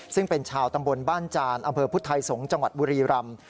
ซึ่งเป็นชาวตำบลบ้านจานอำเภอพุทธไทยสงศ์จังหวัดบุรีรำ